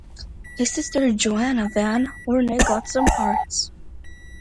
His sister Johanna van Horne got some parts.